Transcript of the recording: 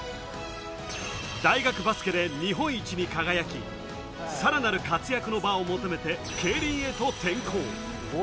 大学バスケで日本一に輝き、さらなる活躍の場を求めて競輪へと転向。